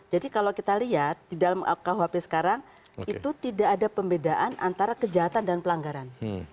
jadi kalau kita lihat di dalam khp sekarang itu tidak ada pembedaan antara kejahatan dan pelanggaran